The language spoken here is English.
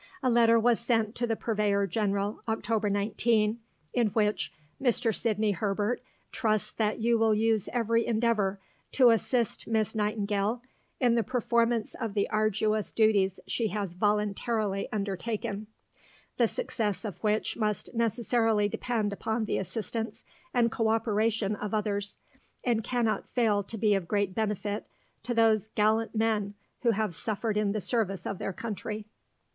A letter was sent to the Purveyor General (Oct. 19), in which "Mr. Sidney Herbert trusts that you will use every endeavour to assist Miss Nightingale in the performance of the arduous duties she has voluntarily undertaken, the success of which must necessarily depend upon the assistance and co operation of others, and cannot fail to be of great benefit to those Gallant Men who have suffered in the service of their country."